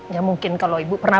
ya mungkin kalau ibu pernah